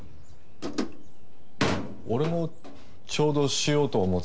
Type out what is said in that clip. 俺もちょうどしようと思って。